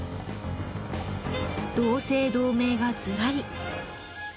同姓同名がずらり。